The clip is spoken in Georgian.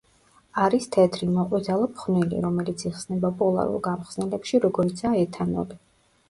არის თეთრი, მოყვითალო ფხვნილი, რომელიც იხსნება პოლარულ გამხსნელებში, როგორიცაა ეთანოლი.